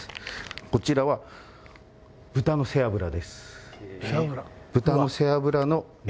こちらは豚の背脂です。